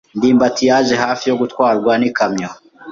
ndimbati yaje hafi yo gutwarwa n'ikamyo.